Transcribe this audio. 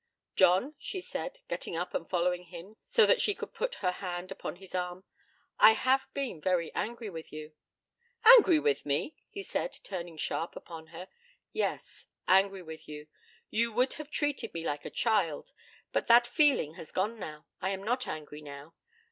'John,' she said, getting up and following him so that she could put her hand upon his arm, 'I have been very angry with you.' 'Angry with me!' he said, turning sharp upon her. 'Yes, angry with you. You would have treated me like a child. But that feeling has gone now. I am not angry now.